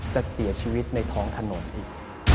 จะเสียชีวิตในท้องถนนอีก